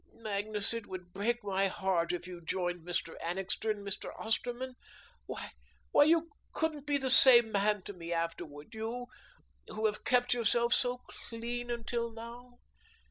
Magnus, it would break my heart if you joined Mr. Annixter and Mr. Osterman. Why, you couldn't be the same man to me afterward; you, who have kept yourself so clean till now.